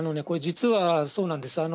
これ実は、そうなんです。